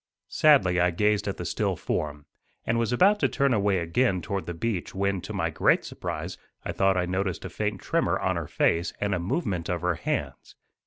Sadly I gazed at the still form, and was about to turn away again toward the beach when, to my great surprise, I thought I noticed a faint tremor on her face and a movement of her hands.